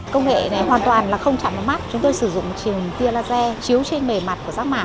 công nghệ này hoàn toàn là không chạm mắt chúng tôi sử dụng trường tia laser chiếu trên mề mặt